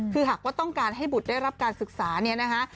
คือหากว่าต้องการให้บุตรได้รับการศึกษาเนี่ยนะคะ